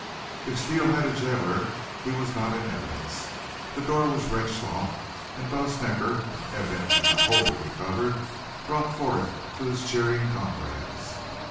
If Steele had a jailer he was not in evidence. The door was wrenched off and Bo Snecker, evidently not wholly recovered, brought forth to his cheering comrades.